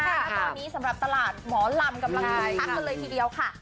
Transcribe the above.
และตอนนี้สำหรับตลาดหมอลำกำลังคึกคักกันเลยทีเดียวค่ะ